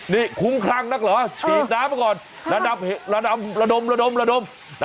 นี่คุ้มครั้งนักเหรอฉีดน้ำก่อนระดำระดำระดำระดำระดำ